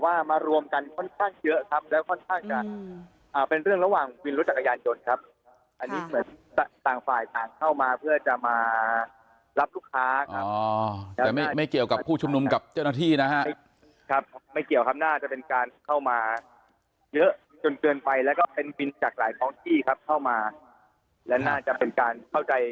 มารวมกันค่อนข้างเยอะครับแล้วค่อนข้างจะเป็นเรื่องระหว่างวินรถจักรยานยนต์ครับอันนี้เหมือนต่างฝ่ายต่างเข้ามาเพื่อจะมารับลูกค้าครับแต่ไม่ไม่เกี่ยวกับผู้ชุมนุมกับเจ้าหน้าที่นะครับไม่เกี่ยวครับน่าจะเป็นการเข้ามาเยอะจนเกินไปแล้วก็เป็นวินจากหลายท้องที่ครับเข้ามาและน่าจะเป็นการเข้าใจ